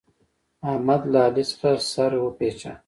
احمد له علي څخه سر وپېچه.